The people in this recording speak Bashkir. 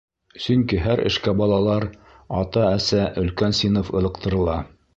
Сөнки һәр эшкә балалар, ата-әсә, өлкән синыф ылыҡтырыла.